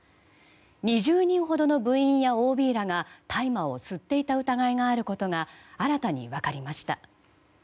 ２０人ほどの部員やＯＢらが大麻を吸っていた疑いがあることが新たに分かりました。